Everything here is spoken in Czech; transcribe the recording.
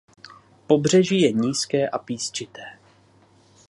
Pobřeží je nízké a písčité.